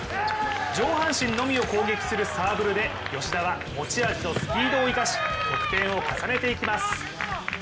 上半身のみを攻撃するサーブルで吉田は持ち味のスピードを生かし、得点を重ねていきます。